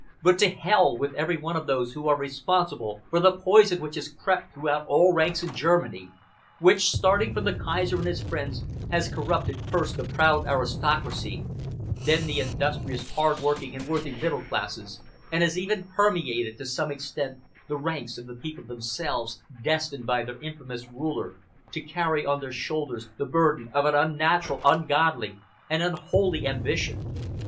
But to Hell with every one of those who are responsible for the poison which has crept throughout all ranks in Germany, which, starting from the Kaiser and his friends, has corrupted first the proud aristocracy, then the industrious, hard working and worthy middle classes, and has even permeated to some extent the ranks of the people themselves, destined by their infamous ruler to carry on their shoulders the burden of an unnatural, ungodly, and unholy ambition.